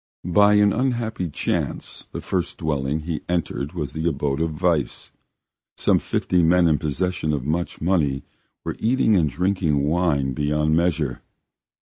By an unhappy chance the first dwelling he entered was the abode of vice. Some fifty men in possession of much money were eating and drinking wine beyond measure.